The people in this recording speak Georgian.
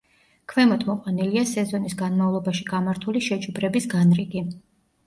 ქვემოთ მოყვანილია სეზონის განმავლობაში გამართული შეჯიბრების განრიგი.